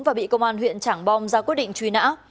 và bị công an huyện trảng bom ra quyết định truy nã